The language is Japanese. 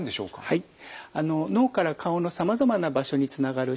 はい。